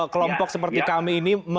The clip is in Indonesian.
kelompok seperti kami ini